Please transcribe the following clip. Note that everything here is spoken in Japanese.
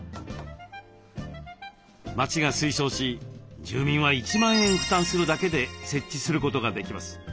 町が推奨し住民は１万円負担するだけで設置することができます。